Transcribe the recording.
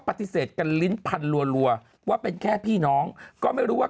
ปฏิเสธกันลิ้นพันรัวว่าเป็นแค่พี่น้องก็ไม่รู้ว่า